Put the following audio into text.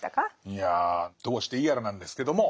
いやどうしていいやらなんですけども。